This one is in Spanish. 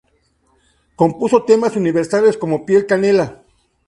Compuso temas universales como Piel canela.